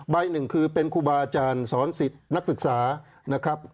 ใบหนึ่งคือเป็นครูบาอาจารย์สอนสิทธิ์นักศึกษานะครับ